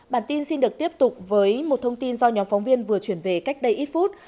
bản tin xin được tiếp tục với một thông tin do nhóm phóng viên vừa chuyển về cách đây ít phút